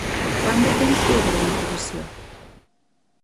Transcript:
Quant de temps dura la incubació?